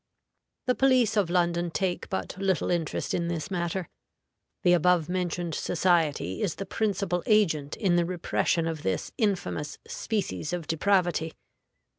The police of London take but little interest in this matter. The above mentioned society is the principal agent in the repression of this infamous species of depravity.